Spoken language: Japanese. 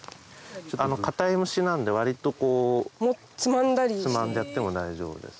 ちょっと硬い虫なんで割とこうつまんじゃっても大丈夫です